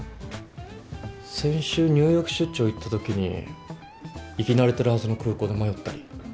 先週ニューヨーク出張行ったときに行き慣れてるはずの空港で迷ったり。